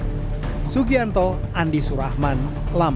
hari jumat siang masih menunggu penyelesaian perbaikan jalur